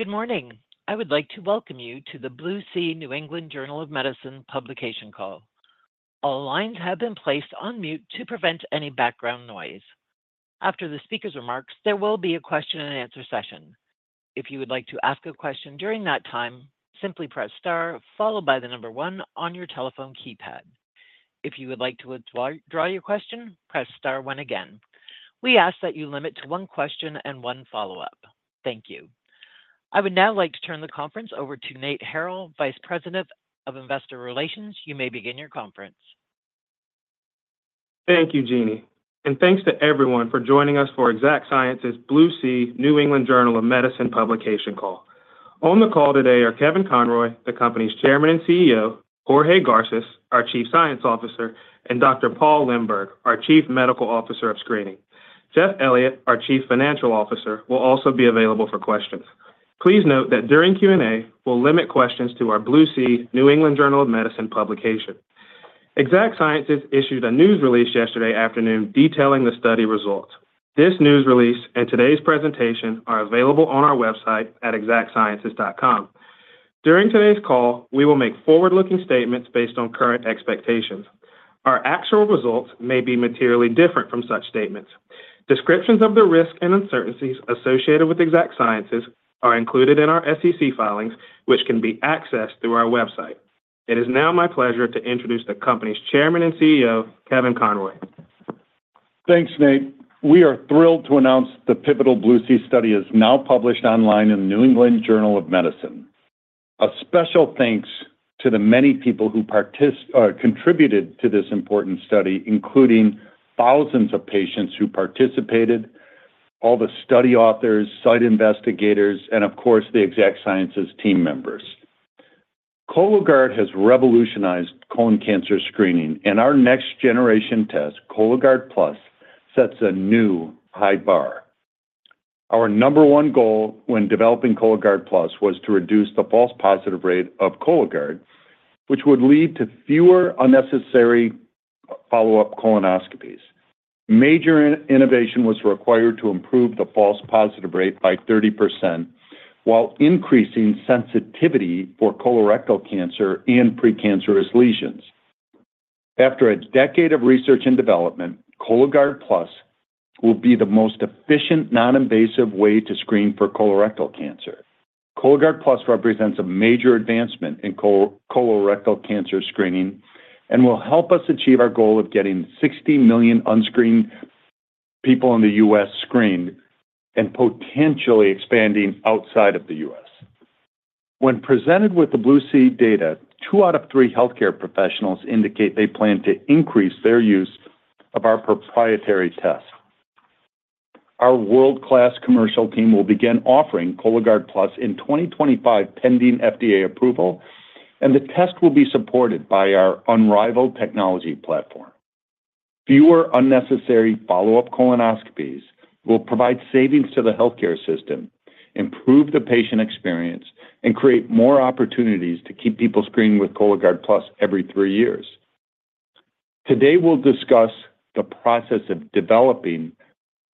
Good morning. I would like to welcome you to the BLUE-C New England Journal of Medicine publication call. All lines have been placed on mute to prevent any background noise. After the speaker's remarks, there will be a question and answer session. If you would like to ask a question during that time, simply press star followed by the number one on your telephone keypad. If you would like to withdraw your question, press star one again. We ask that you limit to one question and one follow-up. Thank you. I would now like to turn the conference over to Nathan Harrill, Vice President of Investor Relations. You may begin your conference. Thank you, Jeannie. Thanks to everyone for joining us for Exact Sciences' BLUE-C New England Journal of Medicine publication call. On the call today are Kevin Conroy, the company's chairman and CEO; Jorge Garces, our Chief Science Officer; and Dr. Paul Limburg, our Chief Medical Officer of Screening. Jeff Elliott, our Chief Financial Officer, will also be available for questions. Please note that during Q&A, we'll limit questions to our BLUE-C New England Journal of Medicine publication. Exact Sciences issued a news release yesterday afternoon detailing the study results. This news release and today's presentation are available on our website at exactsciences.com. During today's call, we will make forward-looking statements based on current expectations. Our actual results may be materially different from such statements. Descriptions of the risks and uncertainties associated with Exact Sciences are included in our SEC filings, which can be accessed through our website. It is now my pleasure to introduce the company's Chairman and CEO, Kevin Conroy. Thanks, Nate. We are thrilled to announce the pivotal BLUE-C study is now published online in the New England Journal of Medicine. A special thanks to the many people who contributed to this important study, including thousands of patients who participated, all the study authors, site investigators, and of course the Exact Sciences team members. Cologuard has revolutionized colon cancer screening, and our next-generation test, Cologuard Plus, sets a new high bar. Our number one goal when developing Cologuard Plus was to reduce the false positive rate of Cologuard, which would lead to fewer unnecessary follow-up colonoscopies. Major innovation was required to improve the false positive rate by 30% while increasing sensitivity for colorectal cancer and precancerous lesions. After a decade of research and development, Cologuard Plus will be the most efficient non-invasive way to screen for colorectal cancer. Cologuard Plus represents a major advancement in colorectal cancer screening and will help us achieve our goal of getting 60 million unscreened people in the U.S. screened and potentially expanding outside of the U.S. When presented with the BLUE-C data, two out of three healthcare professionals indicate they plan to increase their use of our proprietary test. Our world-class commercial team will begin offering Cologuard Plus in 2025 pending FDA approval, and the test will be supported by our unrivaled technology platform. Fewer unnecessary follow-up colonoscopies will provide savings to the healthcare system, improve the patient experience, and create more opportunities to keep people screened with Cologuard Plus every three years. Today we'll discuss the process of developing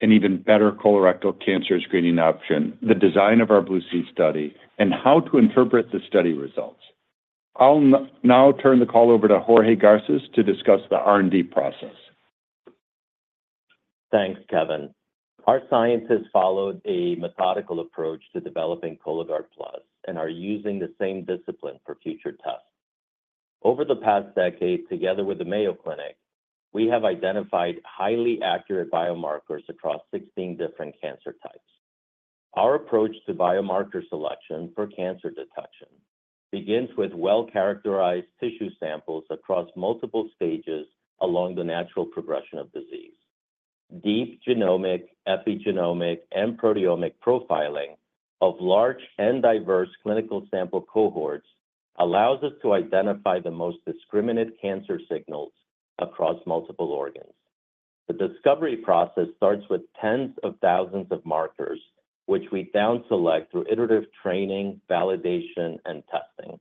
an even better colorectal cancer screening option, the design of our BLUE-C study, and how to interpret the study results. I'll now turn the call over to Jorge Garces to discuss the R&D process. Thanks, Kevin. Our scientists followed a methodical approach to developing Cologuard Plus and are using the same discipline for future tests. Over the past decade, together with the Mayo Clinic, we have identified highly accurate biomarkers across 16 different cancer types. Our approach to biomarker selection for cancer detection begins with well-characterized tissue samples across multiple stages along the natural progression of disease. Deep genomic, epigenomic, and proteomic profiling of large and diverse clinical sample cohorts allows us to identify the most discriminate cancer signals across multiple organs. The discovery process starts with tens of thousands of markers, which we down-select through iterative training, validation, and testing.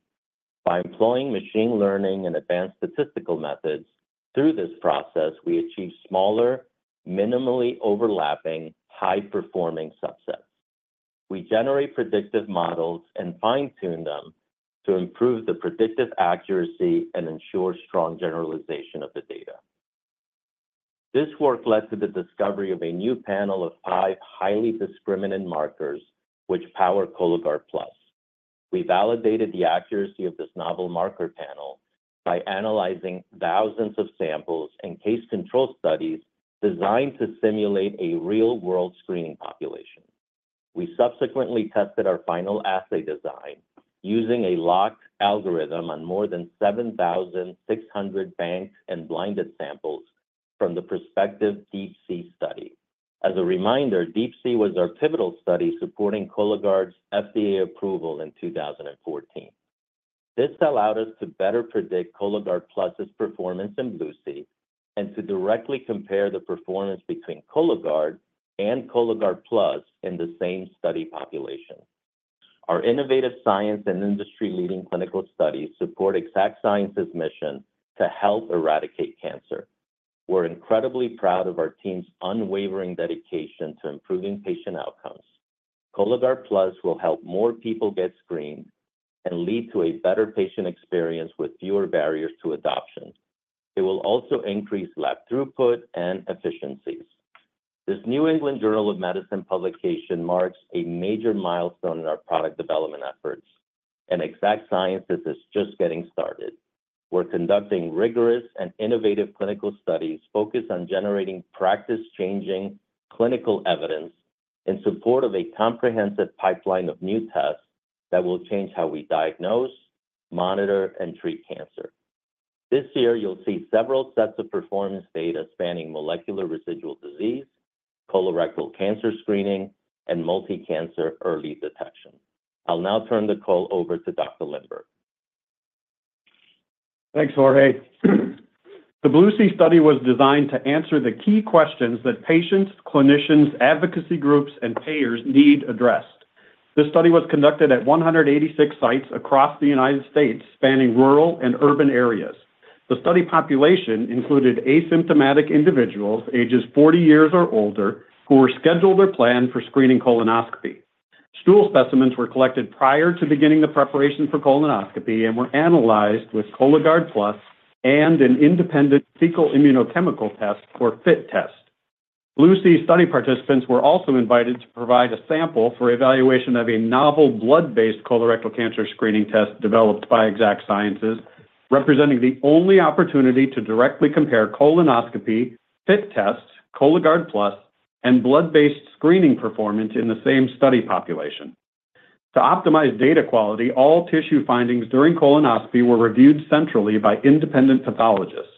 By employing machine learning and advanced statistical methods through this process, we achieve smaller, minimally overlapping, high-performing subsets. We generate predictive models and fine-tune them to improve the predictive accuracy and ensure strong generalization of the data. This work led to the discovery of a new panel of five highly discriminant markers, which power Cologuard Plus. We validated the accuracy of this novel marker panel by analyzing thousands of samples and case-control studies designed to simulate a real-world screening population. We subsequently tested our final assay design using a locked algorithm on more than 7,600 banked and blinded samples from the prospective DeeP-C study. As a reminder, DeeP-C was our pivotal study supporting Cologuard's FDA approval in 2014. This allowed us to better predict Cologuard Plus's performance in BLUE-C and to directly compare the performance between Cologuard and Cologuard Plus in the same study population. Our innovative science and industry-leading clinical studies support Exact Sciences' mission to help eradicate cancer. We're incredibly proud of our team's unwavering dedication to improving patient outcomes. Cologuard Plus will help more people get screened and lead to a better patient experience with fewer barriers to adoption. It will also increase lab throughput and efficiencies. This New England Journal of Medicine publication marks a major milestone in our product development efforts, and Exact Sciences is just getting started. We're conducting rigorous and innovative clinical studies focused on generating practice-changing clinical evidence in support of a comprehensive pipeline of new tests that will change how we diagnose, monitor, and treat cancer. This year you'll see several sets of performance data spanning molecular residual disease, colorectal cancer screening, and multi-cancer early detection. I'll now turn the call over to Dr. Limburg. Thanks, Jorge. The BLUE-C study was designed to answer the key questions that patients, clinicians, advocacy groups, and payers need addressed. This study was conducted at 186 sites across the United States, spanning rural and urban areas. The study population included asymptomatic individuals ages 40 years or older who were scheduled or planned for screening colonoscopy. Stool specimens were collected prior to beginning the preparation for colonoscopy and were analyzed with Cologuard Plus and an independent fecal immunochemical test or FIT test. BLUE-C study participants were also invited to provide a sample for evaluation of a novel blood-based colorectal cancer screening test developed by Exact Sciences, representing the only opportunity to directly compare colonoscopy, FIT tests, Cologuard Plus, and blood-based screening performance in the same study population. To optimize data quality, all tissue findings during colonoscopy were reviewed centrally by independent pathologists.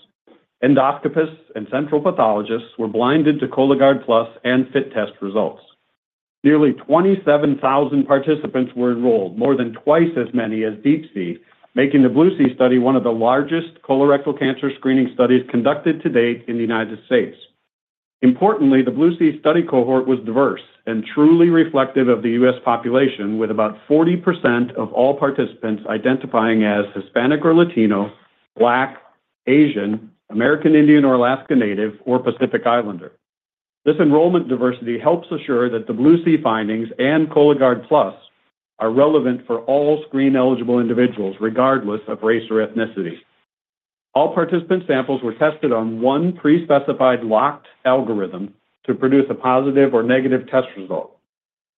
Endoscopists and central pathologists were blinded to Cologuard Plus and FIT test results. Nearly 27,000 participants were enrolled, more than twice as many as DeeP-C, making the BLUE-C study one of the largest colorectal cancer screening studies conducted to date in the United States. Importantly, the BLUE-C study cohort was diverse and truly reflective of the U.S. population, with about 40% of all participants identifying as Hispanic or Latino, Black, Asian, American Indian or Alaska Native, or Pacific Islander. This enrollment diversity helps assure that the BLUE-C findings and Cologuard Plus are relevant for all screen-eligible individuals regardless of race or ethnicity. All participant samples were tested on one pre-specified locked algorithm to produce a positive or negative test result.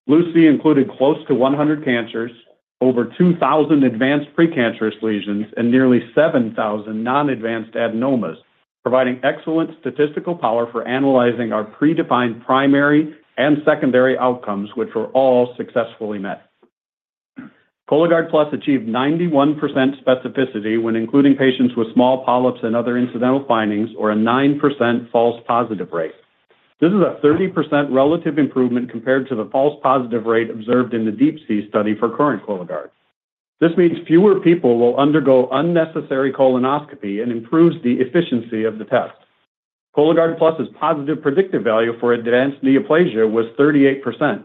BLUE-C included close to 100 cancers, over 2,000 advanced precancerous lesions, and nearly 7,000 non-advanced adenomas, providing excellent statistical power for analyzing our predefined primary and secondary outcomes, which were all successfully met. Cologuard Plus achieved 91% specificity when including patients with small polyps and other incidental findings, or a 9% false positive rate. This is a 30% relative improvement compared to the false positive rate observed in the DeeP-C study for current Cologuard. This means fewer people will undergo unnecessary colonoscopy and improves the efficiency of the test. Cologuard Plus's positive predictive value for advanced neoplasia was 38%.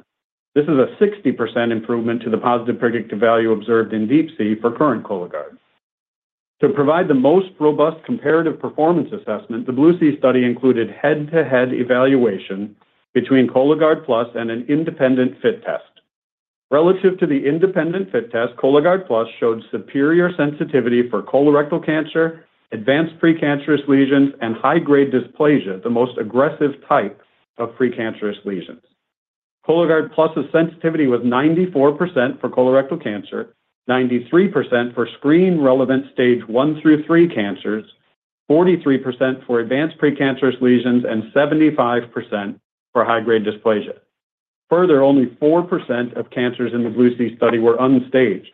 This is a 60% improvement to the positive predictive value observed in DeeP-C for current Cologuard. To provide the most robust comparative performance assessment, the BLUE-C study included head-to-head evaluation between Cologuard Plus and an independent FIT test. Relative to the independent FIT test, Cologuard Plus showed superior sensitivity for colorectal cancer, advanced precancerous lesions, and high-grade dysplasia, the most aggressive type of precancerous lesions. Cologuard Plus's sensitivity was 94% for colorectal cancer, 93% for screen-relevant stage one through three cancers, 43% for advanced precancerous lesions, and 75% for high-grade dysplasia. Further, only 4% of cancers in the BLUE-C study were unstaged.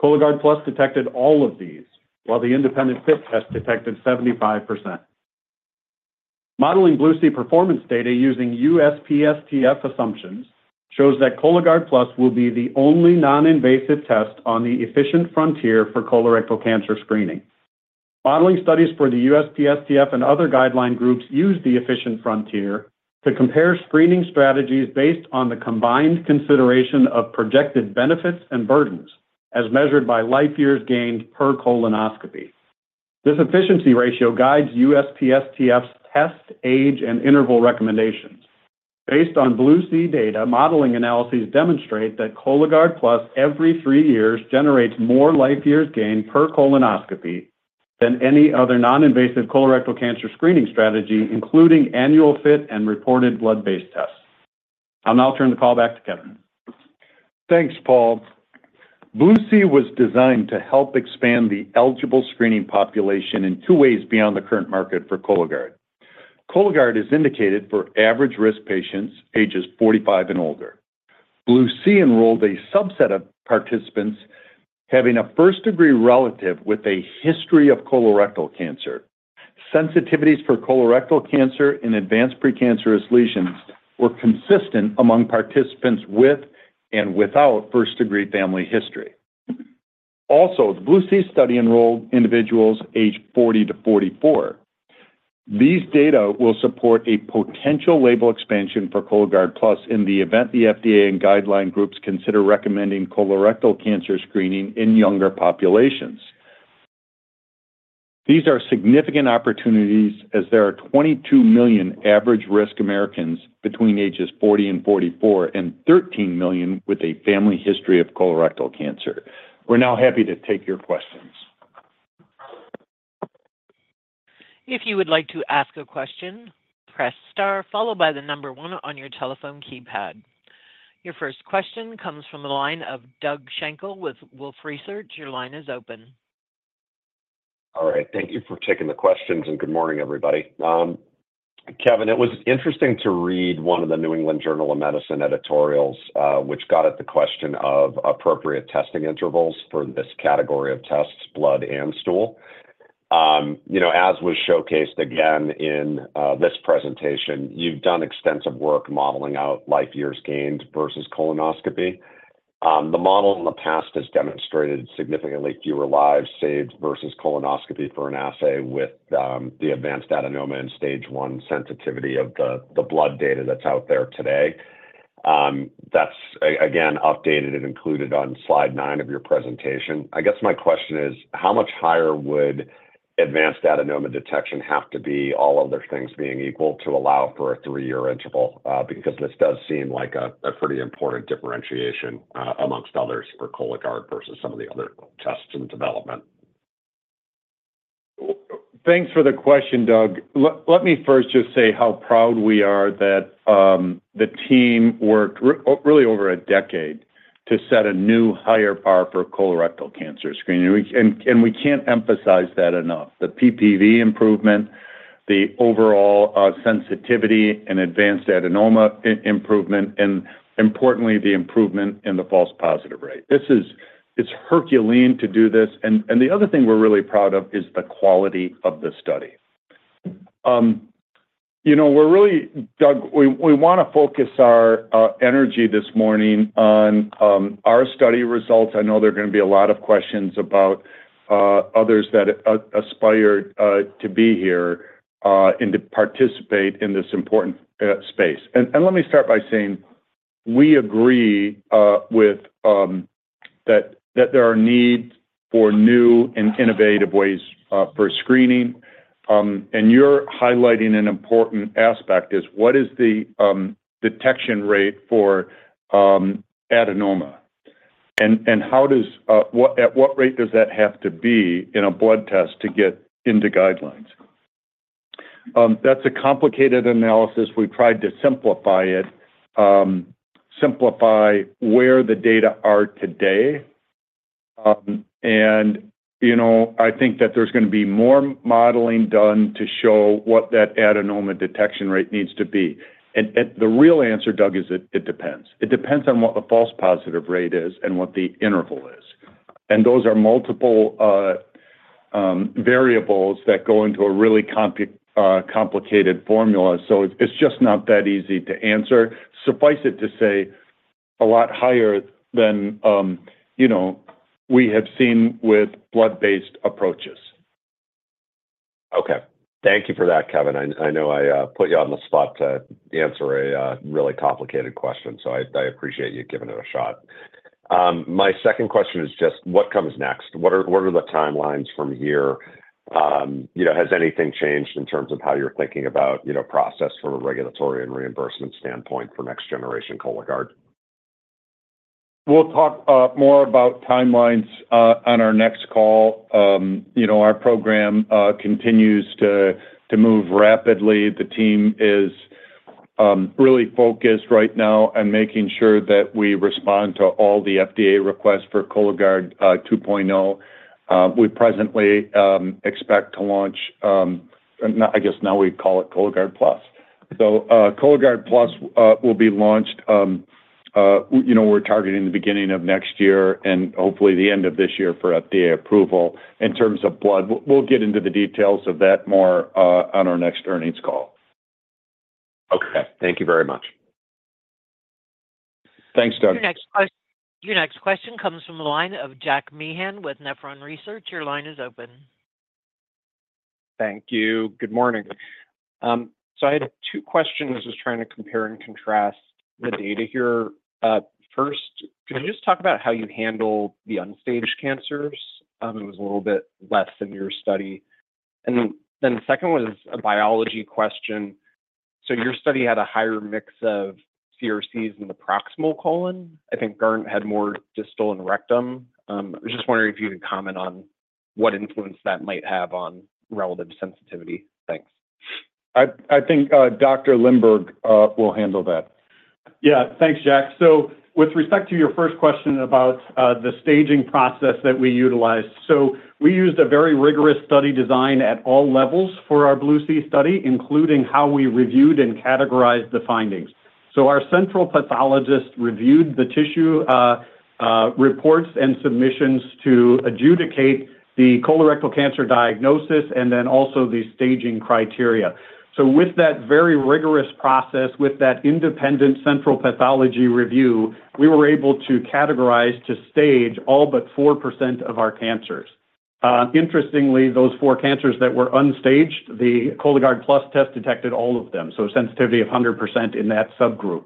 Cologuard Plus detected all of these, while the independent FIT test detected 75%. Modeling BLUE-C performance data using USPSTF assumptions shows that Cologuard Plus will be the only non-invasive test on the efficient frontier for colorectal cancer screening. Modeling studies for the USPSTF and other guideline groups use the efficient frontier to compare screening strategies based on the combined consideration of projected benefits and burdens as measured by life years gained per colonoscopy. This efficiency ratio guides USPSTF's test, age, and interval recommendations. Based on BLUE-C data, modeling analyses demonstrate that Cologuard Plus every three years generates more life years gained per colonoscopy than any other non-invasive colorectal cancer screening strategy, including annual FIT and reported blood-based tests. I'll now turn the call back to Kevin. Thanks, Paul. BLUE-C was designed to help expand the eligible screening population in two ways beyond the current market for Cologuard. Cologuard is indicated for average-risk patients ages 45 and older. BLUE-C enrolled a subset of participants having a first-degree relative with a history of colorectal cancer. Sensitivities for colorectal cancer and advanced precancerous lesions were consistent among participants with and without first-degree family history. Also, the BLUE-C study enrolled individuals aged 40-44. These data will support a potential label expansion for Cologuard Plus in the event the FDA and guideline groups consider recommending colorectal cancer screening in younger populations. These are significant opportunities as there are 22 million average-risk Americans between ages 40-44 and 13 million with a family history of colorectal cancer. We're now happy to take your questions. If you would like to ask a question, press star followed by the number one on your telephone keypad. Your first question comes from the line of Doug Schenkel with Wolfe Research. Your line is open. All right. Thank you for taking the questions, and good morning, everybody. Kevin, it was interesting to read one of the New England Journal of Medicine editorials, which got at the question of appropriate testing intervals for this category of tests, blood and stool. As was showcased again in this presentation, you've done extensive work modeling out life years gained versus colonoscopy. The model in the past has demonstrated significantly fewer lives saved versus colonoscopy for an assay with the advanced adenoma and stage one sensitivity of the blood data that's out there today. That's, again, updated and included on slide 9 of your presentation. I guess my question is, how much higher would advanced adenoma detection have to be, all other things being equal, to allow for a three-year interval? Because this does seem like a pretty important differentiation among others for Cologuard versus some of the other tests in development. Thanks for the question, Doug. Let me first just say how proud we are that the team worked really over a decade to set a new higher bar for colorectal cancer screening. And we can't emphasize that enough: the PPV improvement, the overall sensitivity and advanced adenoma improvement, and importantly, the improvement in the false positive rate. It's Herculean to do this. And the other thing we're really proud of is the quality of the study. We're really, Doug, we want to focus our energy this morning on our study results. I know there are going to be a lot of questions about others that aspire to be here and to participate in this important space. And let me start by saying, we agree that there are needs for new and innovative ways for screening. And you're highlighting an important aspect: what is the detection rate for adenoma? At what rate does that have to be in a blood test to get into guidelines? That's a complicated analysis. We've tried to simplify it, simplify where the data are today. I think that there's going to be more modeling done to show what that adenoma detection rate needs to be. The real answer, Doug, is it depends. It depends on what the false positive rate is and what the interval is. Those are multiple variables that go into a really complicated formula, so it's just not that easy to answer, suffice it to say, a lot higher than we have seen with blood-based approaches. Okay. Thank you for that, Kevin. I know I put you on the spot to answer a really complicated question, so I appreciate you giving it a shot. My second question is just, what comes next? What are the timelines from here? Has anything changed in terms of how you're thinking about process from a regulatory and reimbursement standpoint for next-generation Cologuard? We'll talk more about timelines on our next call. Our program continues to move rapidly. The team is really focused right now on making sure that we respond to all the FDA requests for Cologuard 2.0. We presently expect to launch I guess now we call it Cologuard Plus. So Cologuard Plus will be launched. We're targeting the beginning of next year and hopefully the end of this year for FDA approval in terms of blood. We'll get into the details of that more on our next earnings call. Okay. Thank you very much. Thanks, Doug. Your next question comes from the line of Jack Meehan with Nephron Research. Your line is open. Thank you. Good morning. So I had two questions. I was trying to compare and contrast the data here. First, could you just talk about how you handle the unstaged cancers? It was a little bit less in your study. And then the second was a biology question. So your study had a higher mix of CRCs in the proximal colon. I think Guardant had more distal and rectal. I was just wondering if you could comment on what influence that might have on relative sensitivity. Thanks. I think Dr. Limburg will handle that. Yeah. Thanks, Jack. With respect to your first question about the staging process that we utilized, we used a very rigorous study design at all levels for our BLUE-C study, including how we reviewed and categorized the findings. Our central pathologist reviewed the tissue reports and submissions to adjudicate the colorectal cancer diagnosis and then also the staging criteria. With that very rigorous process, with that independent central pathology review, we were able to categorize to stage all but 4% of our cancers. Interestingly, those four cancers that were unstaged, the Cologuard Plus test detected all of them, so sensitivity of 100% in that subgroup.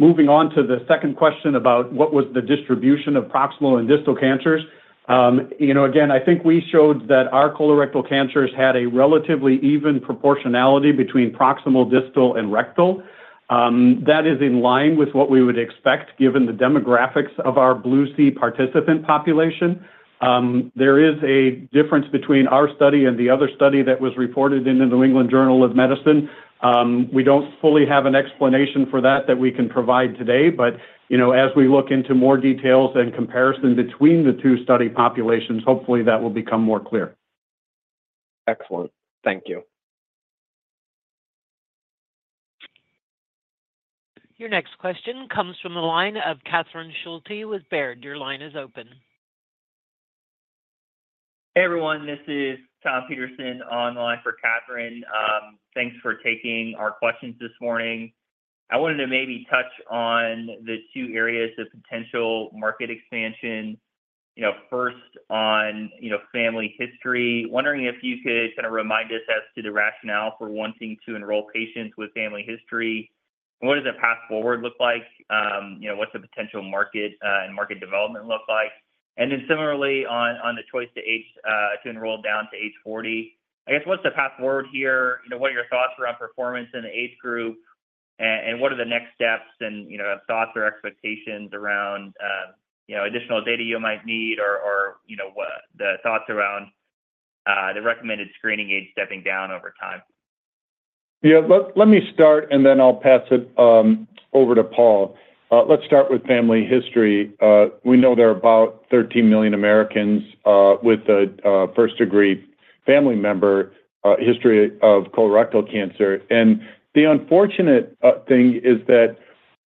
Moving on to the second question about what was the distribution of proximal and distal cancers, again, I think we showed that our colorectal cancers had a relatively even proportionality between proximal, distal, and rectal. That is in line with what we would expect given the demographics of our BLUE-C participant population. There is a difference between our study and the other study that was reported in the New England Journal of Medicine. We don't fully have an explanation for that that we can provide today. But as we look into more details and comparison between the two study populations, hopefully that will become more clear. Excellent. Thank you. Your next question comes from the line of Catherine Schulte with Baird. Your line is open. Hey, everyone. This is Thomas Peterson online for Catherine. Thanks for taking our questions this morning. I wanted to maybe touch on the two areas of potential market expansion. First, on family history, wondering if you could kind of remind us as to the rationale for wanting to enroll patients with family history. What does a path forward look like? What's a potential market and market development look like? And then similarly, on the choice to enroll down to age 40, I guess what's the path forward here? What are your thoughts around performance in the age group, and what are the next steps and thoughts or expectations around additional data you might need or the thoughts around the recommended screening age stepping down over time? Yeah. Let me start, and then I'll pass it over to Paul. Let's start with family history. We know there are about 13 million Americans with a first-degree family member history of colorectal cancer. The unfortunate thing is that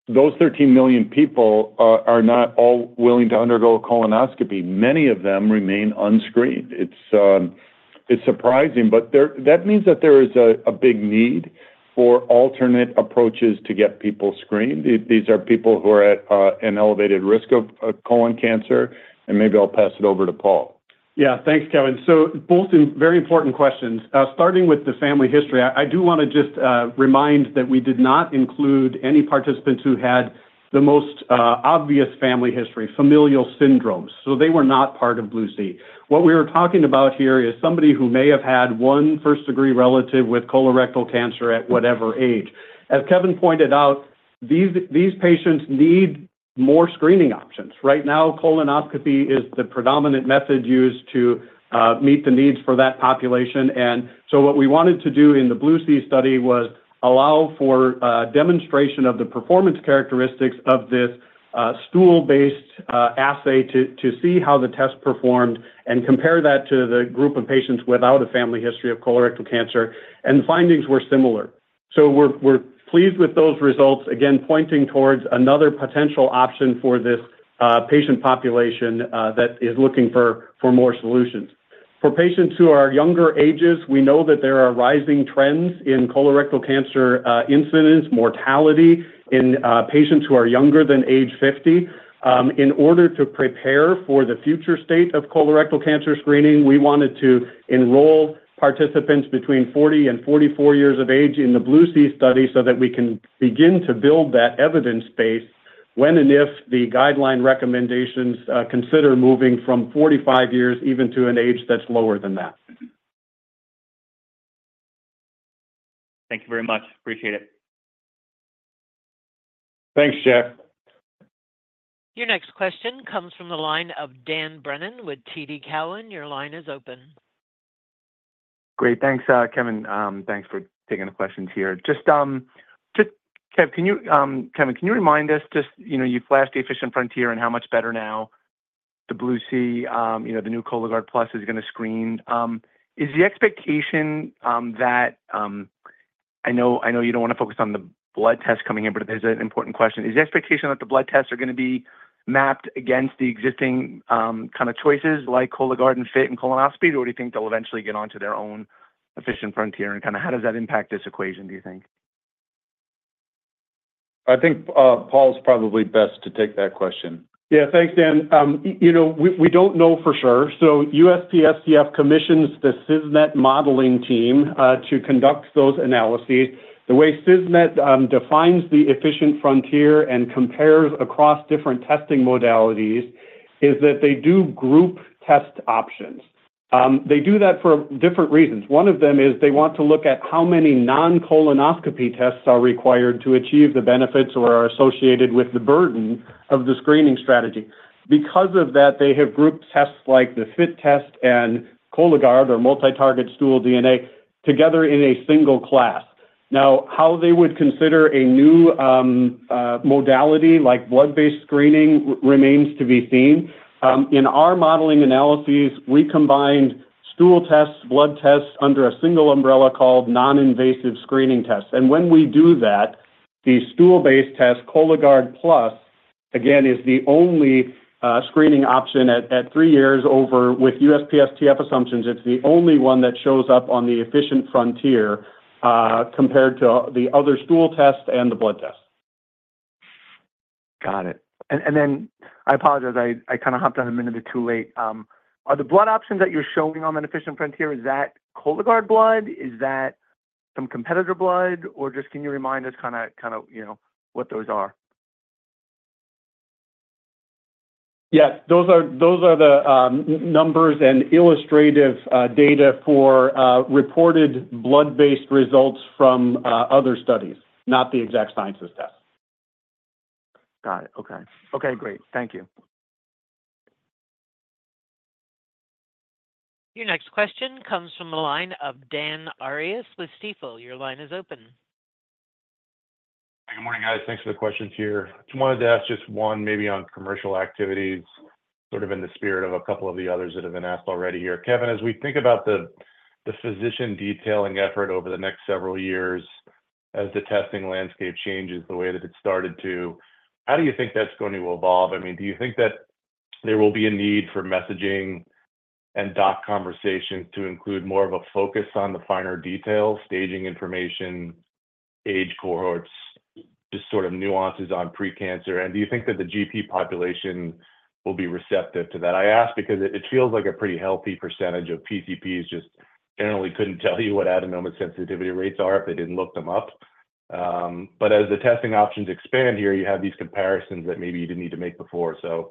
those 13 million people are not all willing to undergo a colonoscopy. Many of them remain unscreened. It's surprising, but that means that there is a big need for alternate approaches to get people screened. These are people who are at an elevated risk of colon cancer. Maybe I'll pass it over to Paul. Yeah. Thanks, Kevin. So both very important questions. Starting with the family history, I do want to just remind that we did not include any participants who had the most obvious family history, familial syndromes. So they were not part of BLUE-C. What we were talking about here is somebody who may have had one first-degree relative with colorectal cancer at whatever age. As Kevin pointed out, these patients need more screening options. Right now, colonoscopy is the predominant method used to meet the needs for that population. And so what we wanted to do in the BLUE-C study was allow for demonstration of the performance characteristics of this stool-based assay to see how the test performed and compare that to the group of patients without a family history of colorectal cancer. And the findings were similar. So we're pleased with those results, again, pointing towards another potential option for this patient population that is looking for more solutions. For patients who are younger ages, we know that there are rising trends in colorectal cancer incidence, mortality in patients who are younger than age 50. In order to prepare for the future state of colorectal cancer screening, we wanted to enroll participants between 40 and 44 years of age in the BLUE-C study so that we can begin to build that evidence base when and if the guideline recommendations consider moving from 45 years even to an age that's lower than that. Thank you very much. Appreciate it. Thanks, Jeff. Your next question comes from the line of Dan Brennan with TD Cowen. Your line is open. Great. Thanks, Kevin. Thanks for taking the questions here. Just, Kevin, can you remind us just you flashed the Efficient Frontier and how much better now the BLUE-C, the new Cologuard Plus is going to screen. Is the expectation that I know you don't want to focus on the blood test coming in, but this is an important question. Is the expectation that the blood tests are going to be mapped against the existing kind of choices like Cologuard and FIT and colonoscopy, or do you think they'll eventually get onto their own Efficient Frontier? And kind of how does that impact this equation, do you think? I think Paul's probably best to take that question. Yeah. Thanks, Dan. We don't know for sure. So USPSTF commissions the CISNET modeling team to conduct those analyses. The way CISNET defines the Efficient Frontier and compares across different testing modalities is that they do group test options. They do that for different reasons. One of them is they want to look at how many non-colonoscopy tests are required to achieve the benefits or are associated with the burden of the screening strategy. Because of that, they have grouped tests like the FIT test and Cologuard or multi-target stool DNA together in a single class. Now, how they would consider a new modality like blood-based screening remains to be seen. In our modeling analyses, we combined stool tests, blood tests under a single umbrella called non-invasive screening tests. When we do that, the stool-based test, Cologuard Plus, again, is the only screening option at three years over with USPSTF assumptions. It's the only one that shows up on the Efficient Frontier compared to the other stool test and the blood test. Got it. Then I apologize. I kind of hopped on a minute or two late. Are the blood options that you're showing on that Efficient Frontier, is that Cologuard blood? Is that some competitor blood? Or just can you remind us kind of what those are? Yeah. Those are the numbers and illustrative data for reported blood-based results from other studies, not the Exact Sciences test. Got it. Okay. Okay. Great. Thank you. Your next question comes from the line of Dan Arias with Stifel. Your line is open. Hey. Good morning, guys. Thanks for the questions here. I just wanted to ask just one maybe on commercial activities sort of in the spirit of a couple of the others that have been asked already here. Kevin, as we think about the physician detailing effort over the next several years as the testing landscape changes, the way that it started to, how do you think that's going to evolve? I mean, do you think that there will be a need for messaging and doc conversations to include more of a focus on the finer details, staging information, age cohorts, just sort of nuances on precancer? And do you think that the GP population will be receptive to that? I ask because it feels like a pretty healthy percentage of PCPs just generally couldn't tell you what adenoma sensitivity rates are if they didn't look them up. But as the testing options expand here, you have these comparisons that maybe you didn't need to make before. So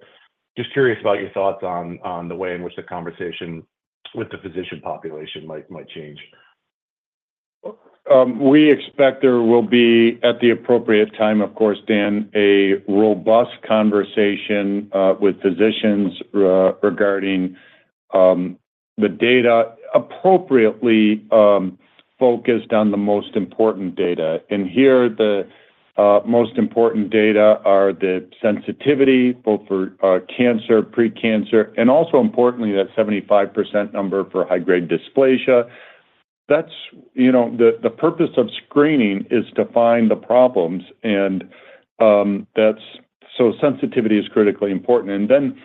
just curious about your thoughts on the way in which the conversation with the physician population might change? We expect there will be, at the appropriate time, of course, Dan, a robust conversation with physicians regarding the data appropriately focused on the most important data. Here, the most important data are the sensitivity both for cancer, precancer, and also importantly, that 75% number for high-grade dysplasia. The purpose of screening is to find the problems. And so sensitivity is critically important. And then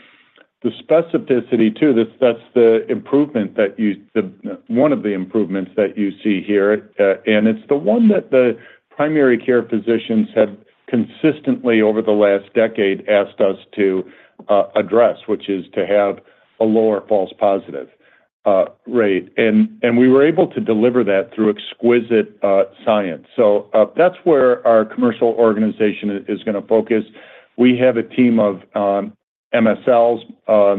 the specificity too, that's the improvement that you one of the improvements that you see here. And it's the one that the primary care physicians have consistently over the last decade asked us to address, which is to have a lower false positive rate. And we were able to deliver that through exquisite science. So that's where our commercial organization is going to focus. We have a team of MSLs,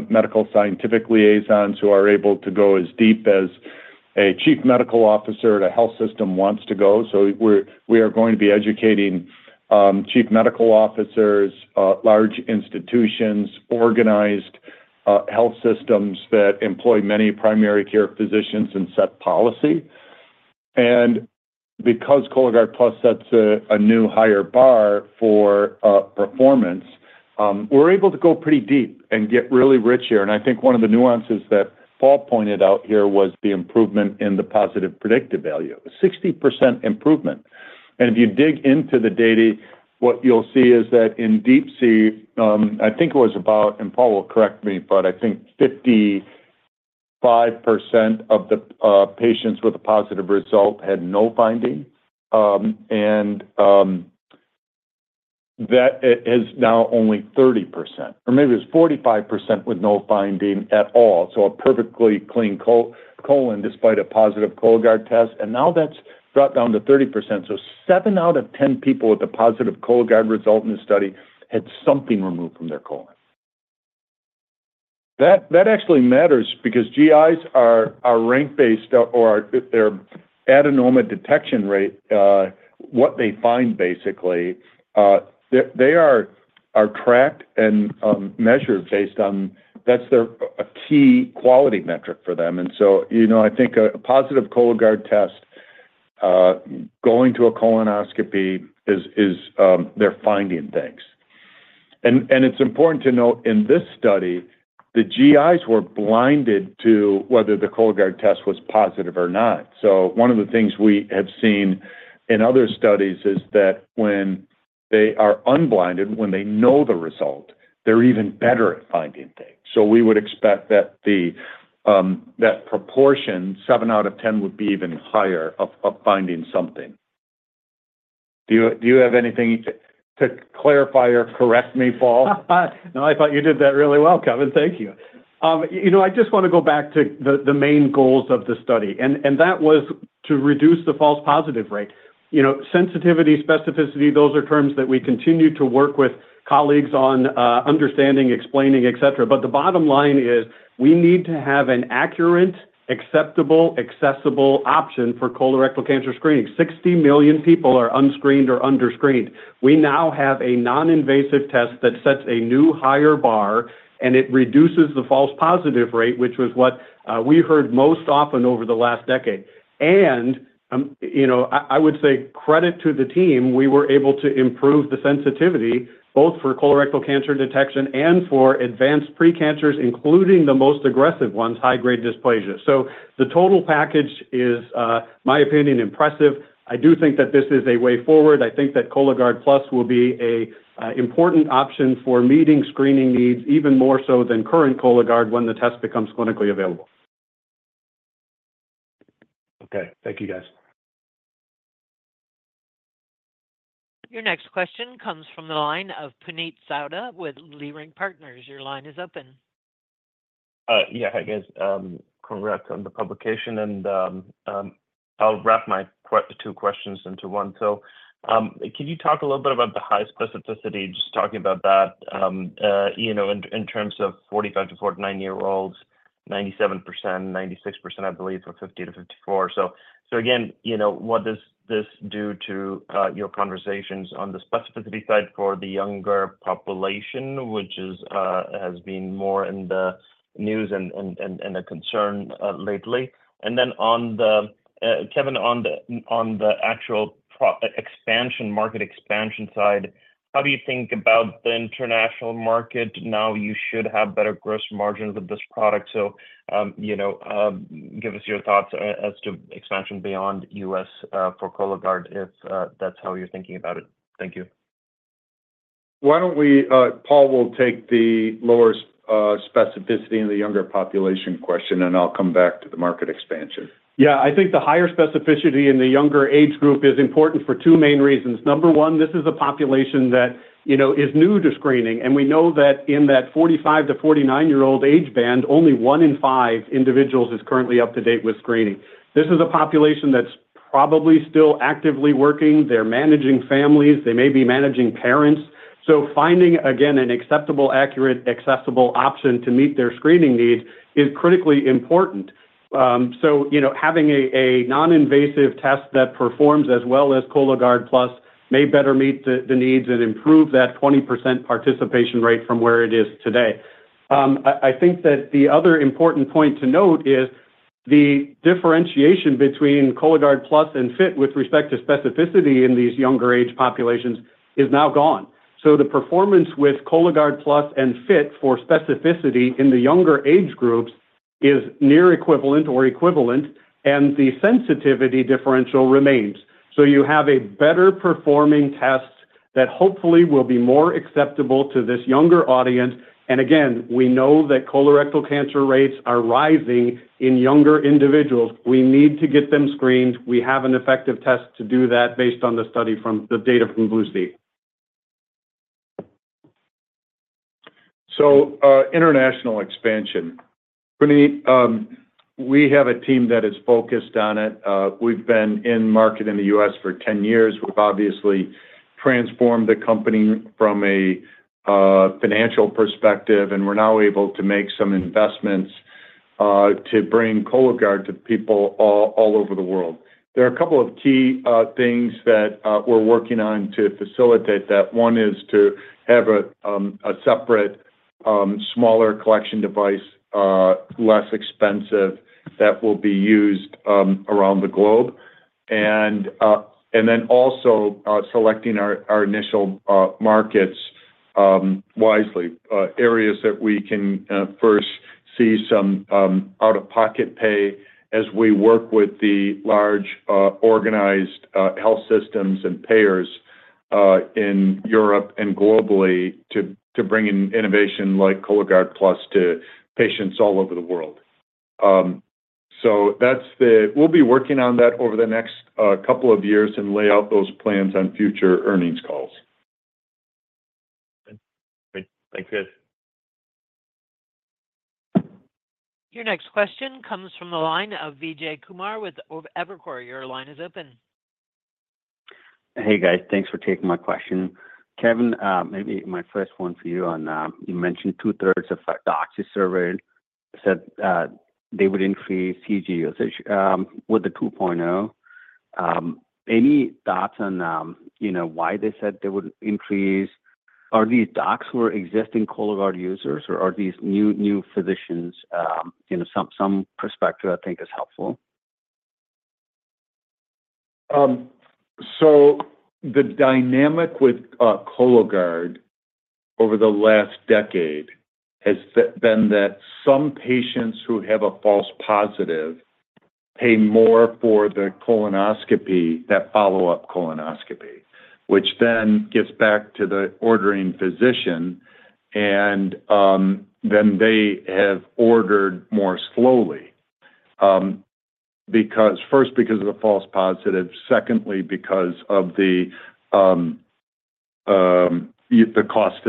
medical scientific liaisons, who are able to go as deep as a chief medical officer at a health system wants to go. So we are going to be educating chief medical officers, large institutions, organized health systems that employ many primary care physicians and set policy. And because Cologuard Plus sets a new higher bar for performance, we're able to go pretty deep and get really rich here. And I think one of the nuances that Paul pointed out here was the improvement in the positive predictive value, a 60% improvement. And if you dig into the data, what you'll see is that in the study, I think it was about and Paul will correct me, but I think 55% of the patients with a positive result had no finding. And that is now only 30%. Or maybe it was 45% with no finding at all, so a perfectly clean colon despite a positive Cologuard test. And now that's dropped down to 30%. So seven out of 10 people with a positive Cologuard result in the study had something removed from their colon. That actually matters because GIs are rank-based or their adenoma detection rate, what they find basically, they are tracked and measured based on that's a key quality metric for them. And so I think a positive Cologuard test, going to a colonoscopy, is they're finding things. And it's important to note, in this study, the GIs were blinded to whether the Cologuard test was positive or not. So one of the things we have seen in other studies is that when they are unblinded, when they know the result, they're even better at finding things. We would expect that proportion, seven out of 10, would be even higher of finding something. Do you have anything to clarify or correct me, Paul? No, I thought you did that really well, Kevin. Thank you. I just want to go back to the main goals of the study. That was to reduce the false positive rate. Sensitivity, specificity, those are terms that we continue to work with colleagues on understanding, explaining, etc. But the bottom line is we need to have an accurate, acceptable, accessible option for colorectal cancer screening. 60 million people are unscreened or underscreened. We now have a non-invasive test that sets a new higher bar, and it reduces the false positive rate, which was what we heard most often over the last decade. I would say credit to the team. We were able to improve the sensitivity both for colorectal cancer detection and for advanced precancers, including the most aggressive ones, high-grade dysplasia. The total package is, in my opinion, impressive. I do think that this is a way forward. I think that Cologuard Plus will be an important option for meeting screening needs even more so than current Cologuard when the test becomes clinically available. Okay. Thank you, guys. Your next question comes from the line of Puneet Souda with Leerink Partners. Your line is open. Yeah. Hi, guys. Congrats on the publication. And I'll wrap my two questions into one. So can you talk a little bit about the high specificity, just talking about that in terms of 45- to 49-year-olds, 97%, 96%, I believe, or 50 to 54? So again, what does this do to your conversations on the specificity side for the younger population, which has been more in the news and a concern lately? And then, Kevin, on the actual market expansion side, how do you think about the international market? Now you should have better gross margins with this product. So give us your thoughts as to expansion beyond U.S. for Cologuard if that's how you're thinking about it. Thank you. Why don't we? Paul will take the lower specificity in the younger population question, and I'll come back to the market expansion. Yeah. I think the higher specificity in the younger age group is important for two main reasons. Number one, this is a population that is new to screening. And we know that in that 45-49-year-old age band, only one in five individuals is currently up to date with screening. This is a population that's probably still actively working. They're managing families. They may be managing parents. So finding, again, an acceptable, accurate, accessible option to meet their screening needs is critically important. So having a non-invasive test that performs as well as Cologuard Plus may better meet the needs and improve that 20% participation rate from where it is today. I think that the other important point to note is the differentiation between Cologuard Plus and FIT with respect to specificity in these younger age populations is now gone. So the performance with Cologuard Plus and FIT for specificity in the younger age groups is near equivalent or equivalent, and the sensitivity differential remains. So you have a better-performing test that hopefully will be more acceptable to this younger audience. And again, we know that colorectal cancer rates are rising in younger individuals. We need to get them screened. We have an effective test to do that based on the data from BLUE-C. So international expansion. Puneet, we have a team that is focused on it. We've been in market in the U.S. for 10 years. We've obviously transformed the company from a financial perspective, and we're now able to make some investments to bring Cologuard to people all over the world. There are a couple of key things that we're working on to facilitate that. One is to have a separate, smaller collection device, less expensive, that will be used around the globe. And then also selecting our initial markets wisely, areas that we can first see some out-of-pocket pay as we work with the large organized health systems and payers in Europe and globally to bring in innovation like Cologuard Plus to patients all over the world. So we'll be working on that over the next couple of years and lay out those plans on future earnings calls. Great. Thanks, guys. Your next question comes from the line of Vijay Kumar with Evercore. Your line is open. Hey, guys. Thanks for taking my question. Kevin, maybe my first one for you on, you mentioned two-thirds of docs you surveyed said they would increase CG usage with the 2.0. Any thoughts on why they said they would increase? Are these docs who are existing Cologuard users, or are these new physicians? Some perspective, I think, is helpful. So the dynamic with Cologuard over the last decade has been that some patients who have a false positive pay more for the colonoscopy, that follow-up colonoscopy, which then gets back to the ordering physician. And then they have ordered more slowly, first because of the false positive, secondly because of the cost to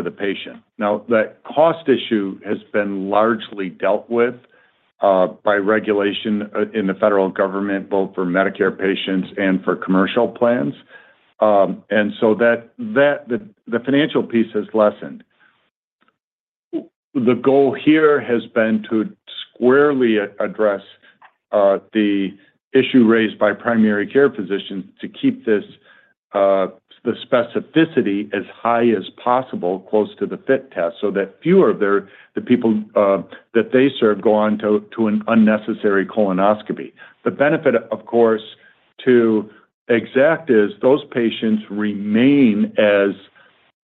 the patient. Now, that cost issue has been largely dealt with by regulation in the federal government, both for Medicare patients and for commercial plans. And so the financial piece has lessened. The goal here has been to squarely address the issue raised by primary care physicians to keep the specificity as high as possible close to the FIT test so that fewer of the people that they serve go on to an unnecessary colonoscopy. The benefit, of course, to Exact is those patients remain as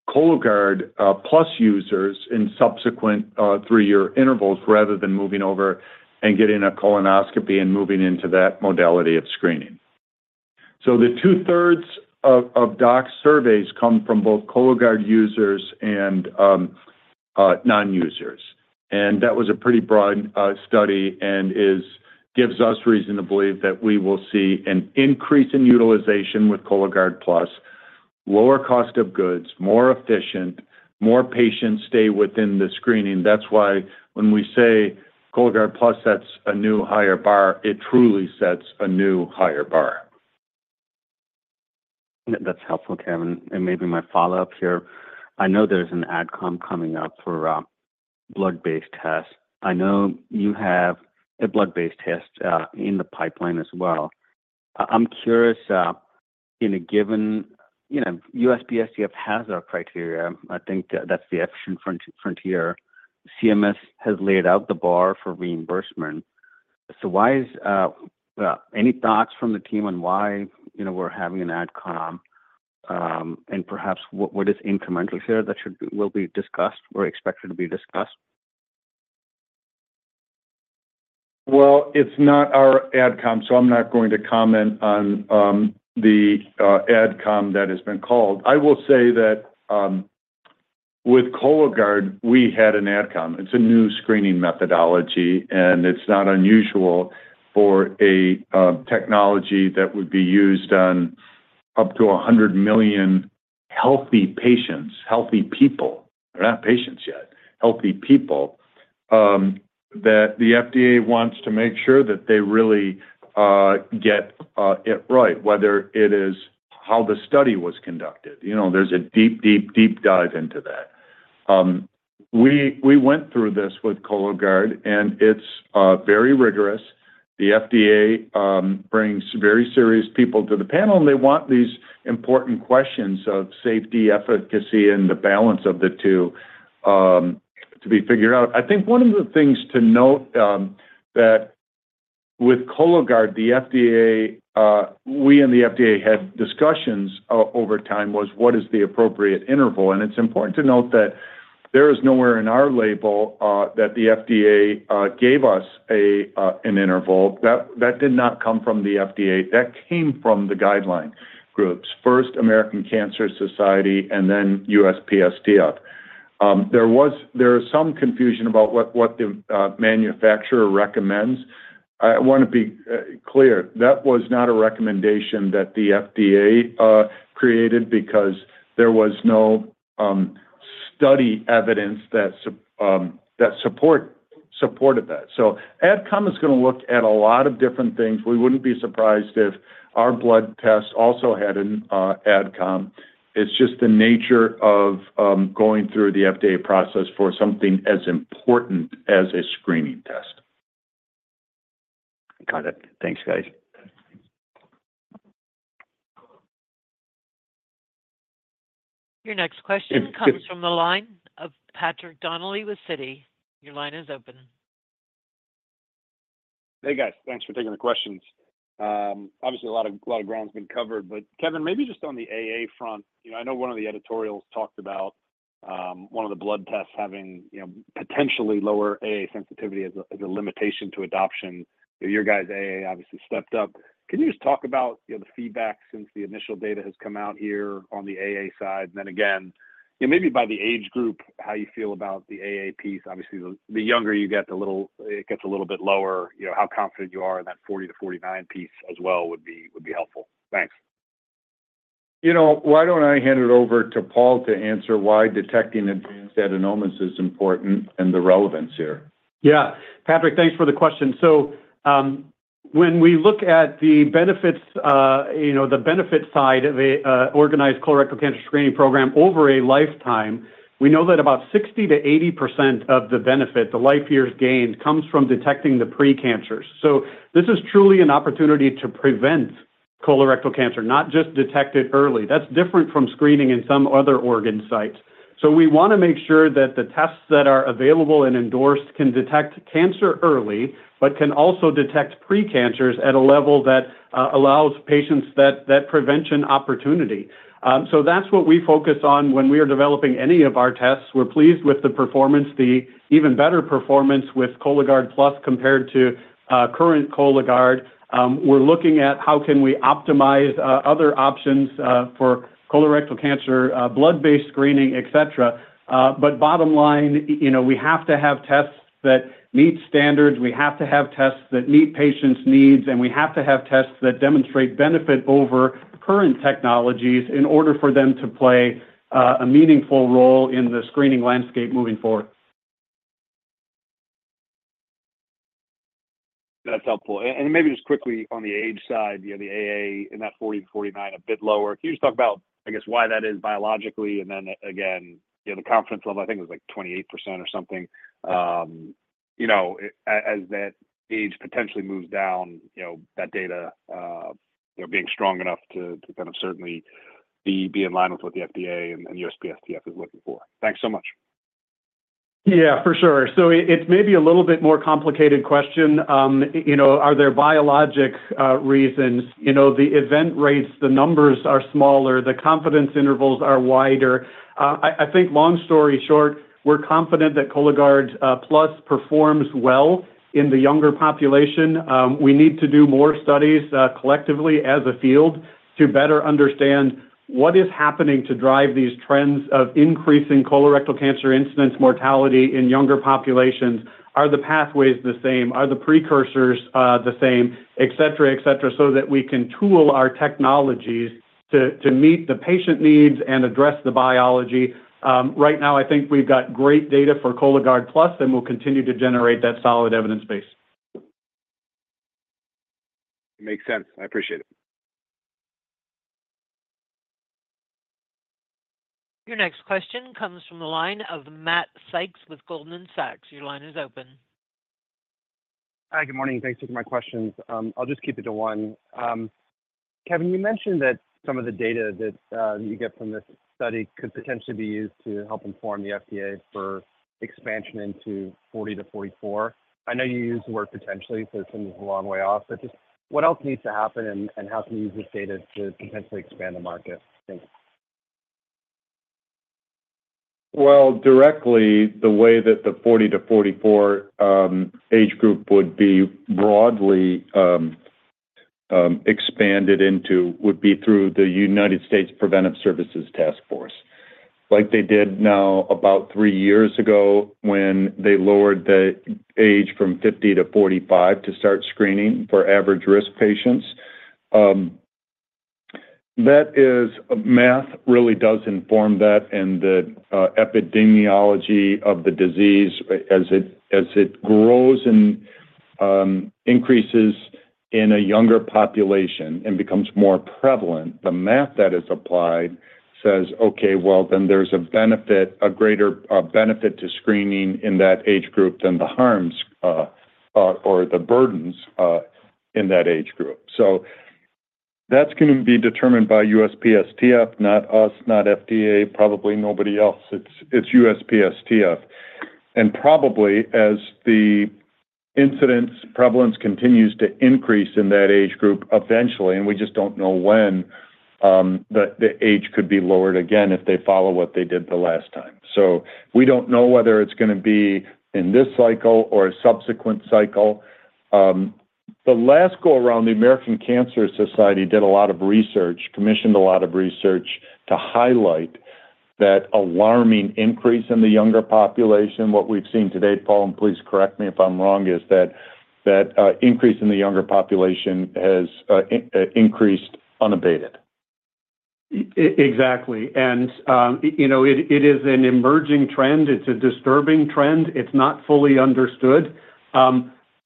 Cologuard Plus users in subsequent three-year intervals rather than moving over and getting a colonoscopy and moving into that modality of screening. So the two-thirds of docs surveys come from both Cologuard users and non-users. That was a pretty broad study and gives us reason to believe that we will see an increase in utilization with Cologuard Plus, lower cost of goods, more efficient, more patients stay within the screening. That's why when we say Cologuard Plus sets a new higher bar, it truly sets a new higher bar. That's helpful, Kevin. Maybe my follow-up here. I know there's an AdCom coming up for blood-based tests. I know you have a blood-based test in the pipeline as well. I'm curious, in a given USPSTF has our criteria. I think that's the efficient frontier. CMS has laid out the bar for reimbursement. Any thoughts from the team on why we're having an AdCom? And perhaps what is incremental here that will be discussed or expected to be discussed? Well, it's not our AdCom, so I'm not going to comment on the AdCom that has been called. I will say that with Cologuard, we had an AdCom. It's a new screening methodology, and it's not unusual for a technology that would be used on up to 100 million healthy patients, healthy people. They're not patients yet. Healthy people that the FDA wants to make sure that they really get it right, whether it is how the study was conducted. There's a deep, deep, deep dive into that. We went through this with Cologuard, and it's very rigorous. The FDA brings very serious people to the panel, and they want these important questions of safety, efficacy, and the balance of the two to be figured out. I think one of the things to note that with Cologuard, we and the FDA had discussions over time was what is the appropriate interval? And it's important to note that there is nowhere in our label that the FDA gave us an interval. That did not come from the FDA. That came from the guideline groups, first American Cancer Society and then USPSTF. There is some confusion about what the manufacturer recommends. I want to be clear. That was not a recommendation that the FDA created because there was no study evidence that supported that. So AdCom is going to look at a lot of different things. We wouldn't be surprised if our blood test also had an AdCom. It's just the nature of going through the FDA process for something as important as a screening test. Got it. Thanks, guys. Your next question comes from the line of Patrick Donnelly with Citi. Your line is open. Hey, guys. Thanks for taking the questions. Obviously, a lot of ground's been covered. But Kevin, maybe just on the AA front. I know one of the editorials talked about one of the blood tests having potentially lower AA sensitivity as a limitation to adoption. Your guys' AA obviously stepped up. Can you just talk about the feedback since the initial data has come out here on the AA side? And then again, maybe by the age group, how you feel about the AA piece. Obviously, the younger you get, it gets a little bit lower. How confident you are in that 40-49 piece as well would be helpful? Thanks. Why don't I hand it over to Paul to answer why detecting advanced adenomas is important and the relevance here? Yeah. Patrick, thanks for the question. So when we look at the benefits side of the organized colorectal cancer screening program over a lifetime, we know that about 60%-80% of the benefit, the life years gained, comes from detecting the precancers. So this is truly an opportunity to prevent colorectal cancer, not just detect it early. That's different from screening in some other organ sites. So we want to make sure that the tests that are available and endorsed can detect cancer early but can also detect precancers at a level that allows patients that prevention opportunity. So that's what we focus on when we are developing any of our tests. We're pleased with the performance, the even better performance with Cologuard Plus compared to current Cologuard. We're looking at how can we optimize other options for colorectal cancer, blood-based screening, etc. Bottom line, we have to have tests that meet standards. We have to have tests that meet patients' needs. We have to have tests that demonstrate benefit over current technologies in order for them to play a meaningful role in the screening landscape moving forward. That's helpful. And maybe just quickly on the age side, the AA in that 40-49, a bit lower. Can you just talk about, I guess, why that is biologically? And then again, the confidence level, I think it was like 28% or something as that age potentially moves down, that data being strong enough to kind of certainly be in line with what the FDA and USPSTF is looking for. Thanks so much. Yeah, for sure. So it's maybe a little bit more complicated question. Are there biologic reasons? The event rates, the numbers are smaller. The confidence intervals are wider. I think long story short, we're confident that Cologuard Plus performs well in the younger population. We need to do more studies collectively as a field to better understand what is happening to drive these trends of increasing colorectal cancer incidence mortality in younger populations. Are the pathways the same? Are the precursors the same, etc., etc., so that we can tool our technologies to meet the patient needs and address the biology? Right now, I think we've got great data for Cologuard Plus, and we'll continue to generate that solid evidence base. Makes sense. I appreciate it. Your next question comes from the line of Matthew Sykes with Goldman Sachs. Your line is open. Hi. Good morning. Thanks for taking my questions. I'll just keep it to one. Kevin, you mentioned that some of the data that you get from this study could potentially be used to help inform the FDA for expansion into 40-44. I know you use the word potentially, so it seems a long way off. But just what else needs to happen, and how can we use this data to potentially expand the market? Well, directly, the way that the 40-44 age group would be broadly expanded into would be through the United States Preventive Services Task Force, like they did now about three years ago when they lowered the age from 50-45 to start screening for average-risk patients. Math really does inform that. And the epidemiology of the disease, as it grows and increases in a younger population and becomes more prevalent, the math that is applied says, "Okay, well, then there's a greater benefit to screening in that age group than the harms or the burdens in that age group." So that's going to be determined by USPSTF, not us, not FDA, probably nobody else. It's USPSTF. Probably as the incidence prevalence continues to increase in that age group eventually, and we just don't know when, the age could be lowered again if they follow what they did the last time. So we don't know whether it's going to be in this cycle or a subsequent cycle. The last go-around, the American Cancer Society did a lot of research, commissioned a lot of research to highlight that alarming increase in the younger population, what we've seen today - Paul, please correct me if I'm wrong - is that increase in the younger population has increased unabated. Exactly. It is an emerging trend. It's a disturbing trend. It's not fully understood.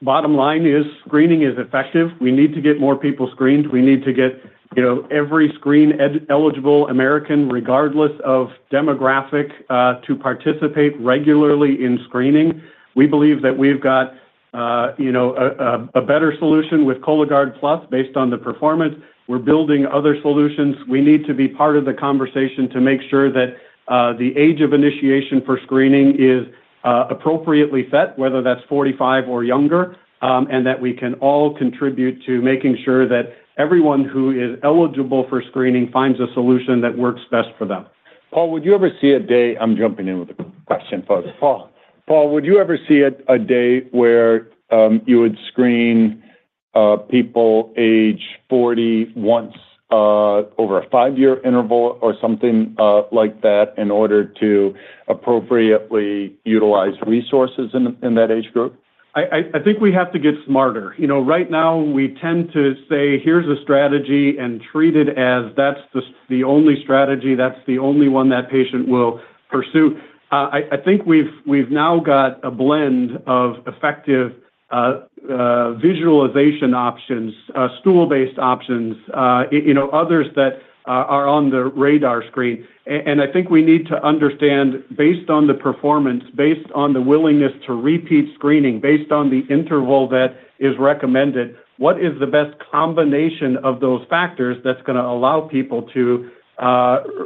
Bottom line is screening is effective. We need to get more people screened. We need to get every screen-eligible American, regardless of demographic, to participate regularly in screening. We believe that we've got a better solution with Cologuard Plus based on the performance. We're building other solutions. We need to be part of the conversation to make sure that the age of initiation for screening is appropriately set, whether that's 45 or younger, and that we can all contribute to making sure that everyone who is eligible for screening finds a solution that works best for them. Paul, would you ever see a day? I'm jumping in with a question for you Paul, would you ever see a day where you would screen people age 40 once over a five-year interval or something like that in order to appropriately utilize resources in that age group? I think we have to get smarter. Right now, we tend to say, "Here's a strategy," and treat it as that's the only strategy. That's the only one that patient will pursue. I think we've now got a blend of effective visualization options, stool-based options, others that are on the radar screen. And I think we need to understand, based on the performance, based on the willingness to repeat screening, based on the interval that is recommended, what is the best combination of those factors that's going to allow people to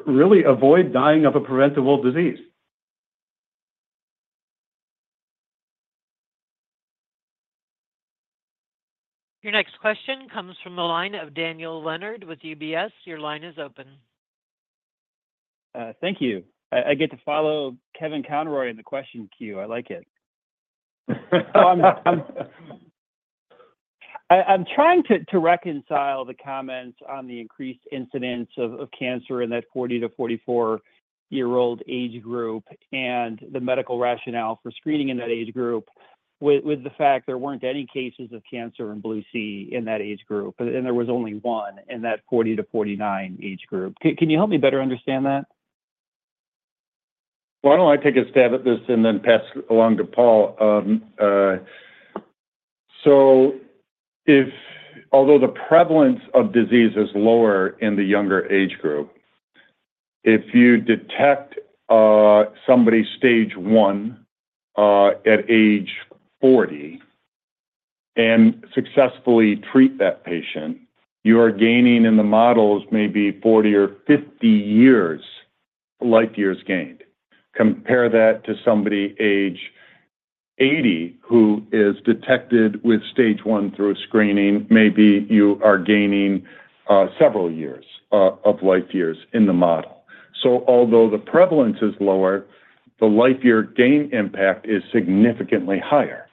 really avoid dying of a preventable disease? Your next question comes from the line of Daniel Leonard with UBS. Your line is open. Thank you. I get to follow Kevin Conroy in the question queue. I like it. I'm trying to reconcile the comments on the increased incidence of cancer in that 40-44-year-old age group and the medical rationale for screening in that age group with the fact there weren't any cases of cancer and BLUE-C in that age group, and there was only one in that 40-49 age group. Can you help me better understand that? Why don't I take a stab at this and then pass along to Paul? So although the prevalence of disease is lower in the younger age group, if you detect somebody's stage one at age 40 and successfully treat that patient, you are gaining in the models maybe 40 or 50 years life years gained. Compare that to somebody age 80 who is detected with stage one through a screening. Maybe you are gaining several years of life years in the model. So although the prevalence is lower, the life year gain impact is significantly higher.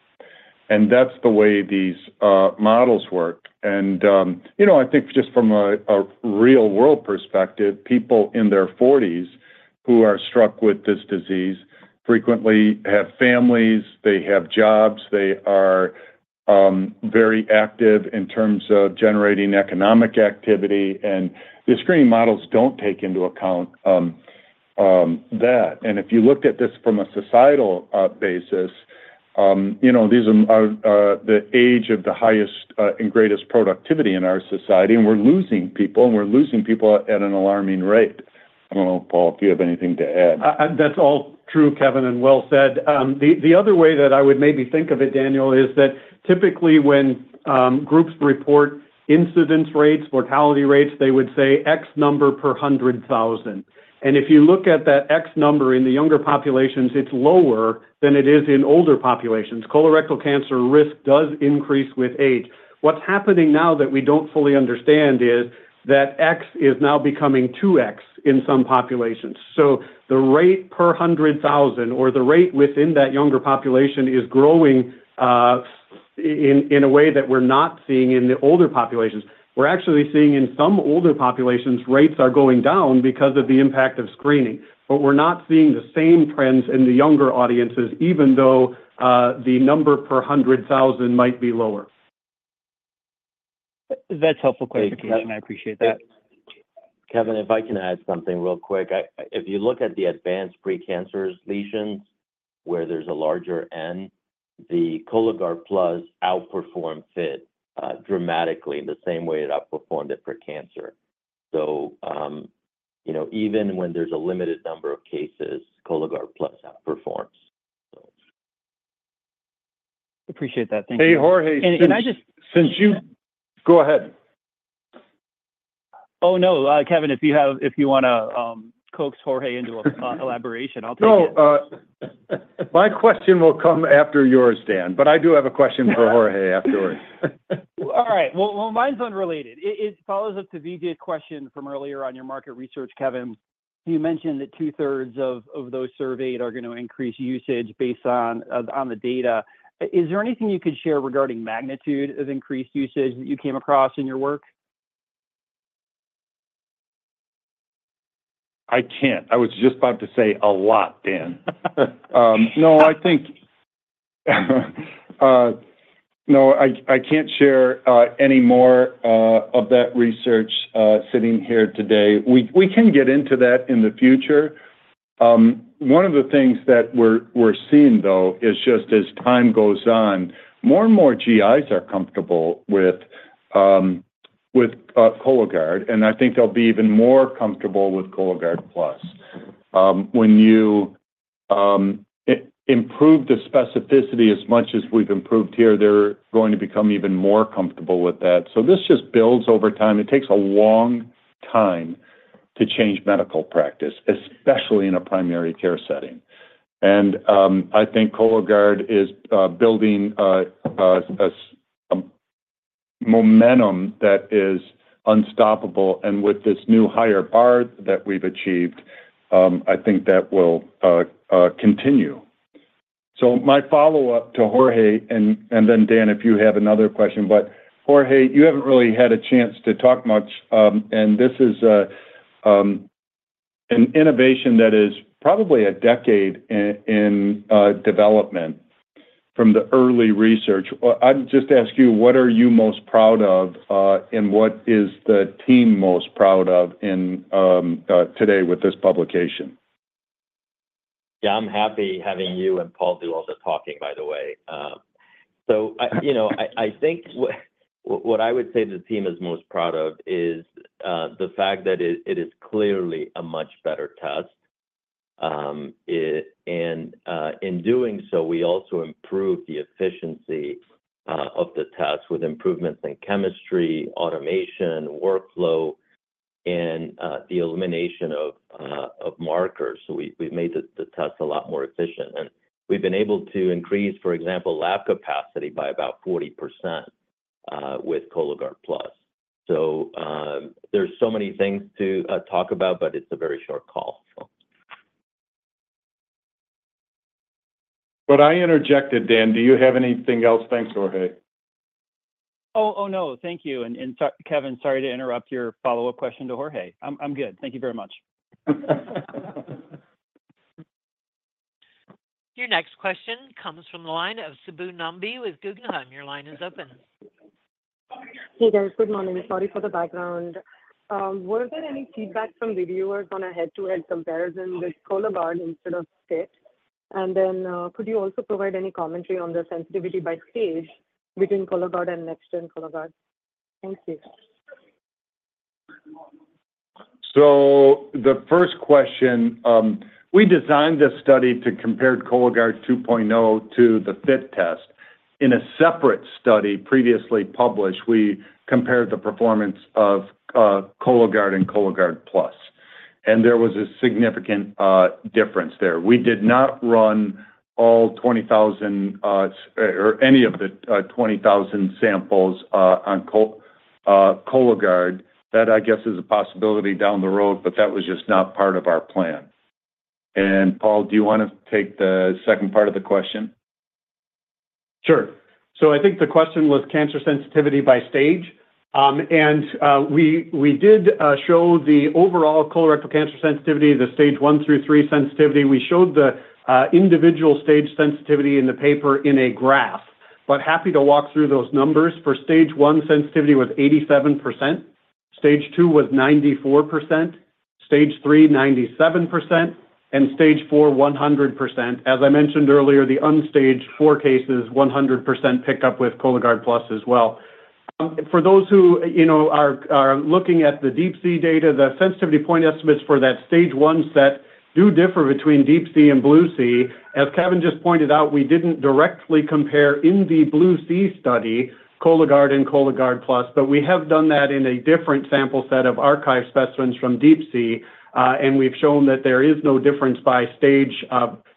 And that's the way these models work. And I think just from a real-world perspective, people in their 40s who are struck with this disease frequently have families. They have jobs. They are very active in terms of generating economic activity. And the screening models don't take into account that. And if you looked at this from a societal basis, these are the age of the highest and greatest productivity in our society. And we're losing people. And we're losing people at an alarming rate. I don't know, Paul, if you have anything to add. That's all true, Kevin, and well said. The other way that I would maybe think of it, Daniel, is that typically when groups report incidence rates, mortality rates, they would say X number per 100,000. If you look at that X number in the younger populations, it's lower than it is in older populations. Colorectal cancer risk does increase with age. What's happening now that we don't fully understand is that X is now becoming 2X in some populations. So the rate per 100,000 or the rate within that younger population is growing in a way that we're not seeing in the older populations. We're actually seeing in some older populations, rates are going down because of the impact of screening. But we're not seeing the same trends in the younger audiences, even though the number per 100,000 might be lower. That's helpful clarification. I appreciate that. Kevin, if I can add something real quick. If you look at the advanced precancerous lesions where there's a larger N, the Cologuard Plus outperformed FIT dramatically in the same way it outperformed it for cancer. So even when there's a limited number of cases, Cologuard Plus outperforms, so. Appreciate that. Thank you. Hey, Jorge. And I just. Since you go ahead. Oh, no. Kevin, if you want to coax Jorge into elaboration, I'll take it. No, my question will come after yours, Dan. But I do have a question for Jorge afterwards. All right. Well, mine's unrelated. It follows up to Vijay's question from earlier on your market research, Kevin. You mentioned that two-thirds of those surveyed are going to increase usage based on the data. Is there anything you could share regarding magnitude of increased usage that you came across in your work? I can't. I was just about to say a lot, Dan. No, I think no, I can't share any more of that research sitting here today. We can get into that in the future. One of the things that we're seeing, though, is just as time goes on, more and more GIs are comfortable with Cologuard. And I think they'll be even more comfortable with Cologuard Plus. When you improve the specificity as much as we've improved here, they're going to become even more comfortable with that. So this just builds over time. It takes a long time to change medical practice, especially in a primary care setting. And I think Cologuard is building a momentum that is unstoppable. And with this new higher bar that we've achieved, I think that will continue. So my follow-up to Jorge and then, Dan, if you have another question. Jorge, you haven't really had a chance to talk much. This is an innovation that is probably a decade in development from the early research. I'd just ask you, what are you most proud of, and what is the team most proud of today with this publication? Yeah, I'm happy having you and Paul do all the talking, by the way. So I think what I would say the team is most proud of is the fact that it is clearly a much better test. And in doing so, we also improved the efficiency of the test with improvements in chemistry, automation, workflow, and the elimination of markers. So we've made the test a lot more efficient. And we've been able to increase, for example, lab capacity by about 40% with Cologuard Plus. So there's so many things to talk about, but it's a very short call, so. But I interjected, Dan. Do you have anything else? Thanks, Jorge. Oh, no. Thank you. And Kevin, sorry to interrupt your follow-up question to Jorge. I'm good. Thank you very much. Your next question comes from the line of Subbu Nambi with Guggenheim. Your line is open. Hey, guys. Good morning. Sorry for the background. Were there any feedback from reviewers on a head-to-head comparison with Cologuard instead of FIT? And then could you also provide any commentary on the sensitivity by stage between Cologuard and NextGen Cologuard? Thank you. So the first question, we designed this study to compare Cologuard 2.0 to the FIT test. In a separate study previously published, we compared the performance of Cologuard and Cologuard Plus. And there was a significant difference there. We did not run all 20,000 or any of the 20,000 samples on Cologuard. That, I guess, is a possibility down the road, but that was just not part of our plan. And Paul, do you want to take the second part of the question? Sure. So I think the question was cancer sensitivity by stage. And we did show the overall colorectal cancer sensitivity, the stage one through three sensitivity. We showed the individual stage sensitivity in the paper in a graph. But happy to walk through those numbers. For stage one sensitivity was 87%. Stage two was 94%. Stage three, 97%. And stage four, 100%. As I mentioned earlier, the unstaged four cases, 100% pickup with Cologuard Plus as well. For those who are looking at the DEEP-C data, the sensitivity point estimates for that stage one set do differ between DEEP-C and BLUE-C. As Kevin just pointed out, we didn't directly compare in the BLUE-C study Cologuard and Cologuard Plus. But we have done that in a different sample set of archive specimens from DEEP-C. We've shown that there is no difference by stage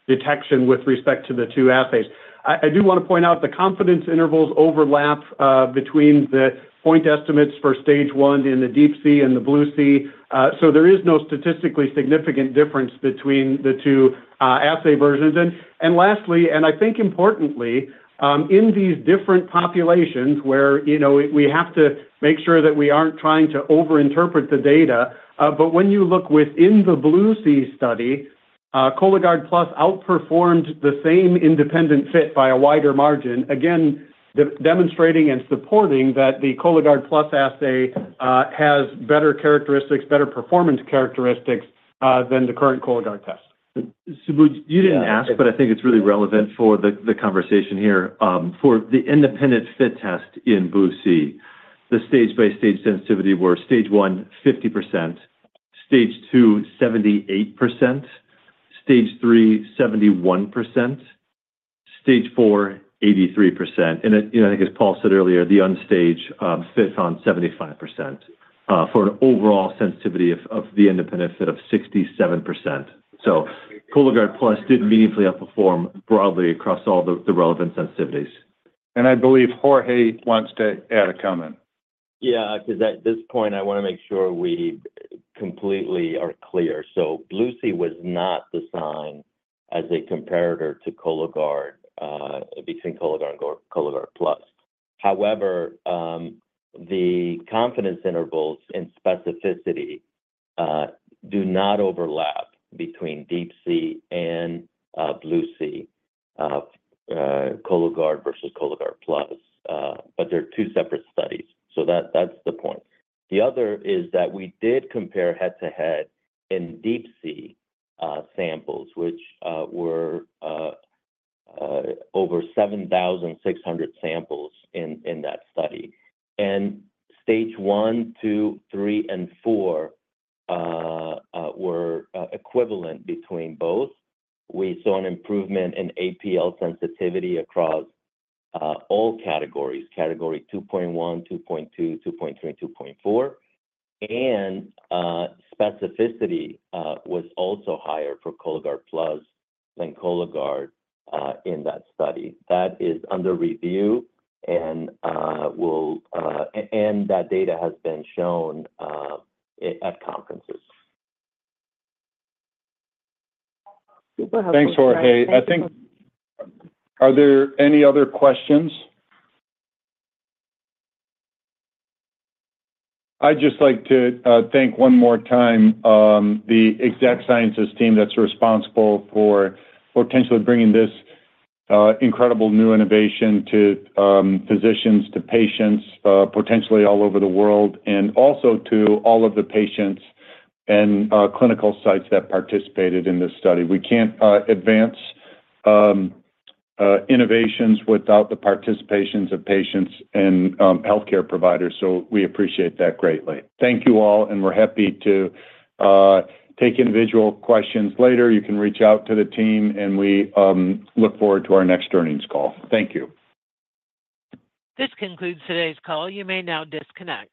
detection with respect to the two assays. I do want to point out the confidence intervals overlap between the point estimates for stage one in the DEEP-C and the BLUE-C. So there is no statistically significant difference between the two assay versions. And lastly, and I think importantly, in these different populations where we have to make sure that we aren't trying to overinterpret the data. But when you look within the BLUE-C study, Cologuard Plus outperformed the same independent FIT by a wider margin, again, demonstrating and supporting that the Cologuard Plus assay has better characteristics, better performance characteristics than the current Cologuard test. Subbu, you didn't ask, but I think it's really relevant for the conversation here. For the independent FIT test in BLUE-C, the stage-by-stage sensitivity were stage one, 50%; stage two, 78%; stage three, 71%; stage four, 83%. And I think, as Paul said earlier, the unstaged FIT found 75% for an overall sensitivity of the independent FIT of 67%. So Cologuard Plus did meaningfully outperform broadly across all the relevant sensitivities. I believe Jorge wants to add a comment. Yeah, because at this point, I want to make sure we completely are clear. So BLUE-C was not designed as a comparator between Cologuard and Cologuard Plus. However, the confidence intervals in specificity do not overlap between DEEP-C and BLUE-C, Cologuard versus Cologuard Plus. But they're two separate studies. So that's the point. The other is that we did compare head-to-head in DEEP-C samples, which were over 7,600 samples in that study. And stage one, two, three, and four were equivalent between both. We saw an improvement in APL sensitivity across all categories, category 2.1, 2.2, 2.3, and 2.4. And specificity was also higher for Cologuard Plus than Cologuard in that study. That is under review and will and that data has been shown at conferences. Thanks, Jorge. I think, are there any other questions? I'd just like to thank one more time the Exact Sciences team that's responsible for potentially bringing this incredible new innovation to physicians, to patients, potentially all over the world, and also to all of the patients and clinical sites that participated in this study. We can't advance innovations without the participations of patients and healthcare providers. So we appreciate that greatly. Thank you all. And we're happy to take individual questions later. You can reach out to the team. And we look forward to our next earnings call. Thank you. This concludes today's call. You may now disconnect.